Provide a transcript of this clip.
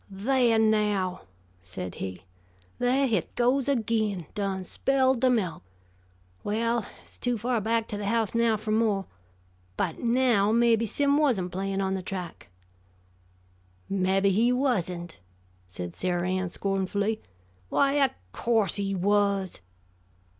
"Thah, now," said he. "Thah hit goes agin. Done spilled the melk. Well, hit's too far back to the house now fer mo'. But, now, mabbe Sim wasn't playin' on the track." "Mabbe he wasn't!" said Sarah Ann scornfully. "Why, o' course he was."